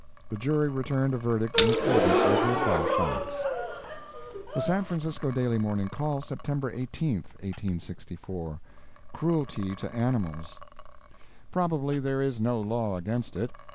The jury returned a verdict in accordance with the above facts. The San Francisco Daily Morning Call, September 18, 1864 CRUELTY TO ANIMALS Probably there is no law against it.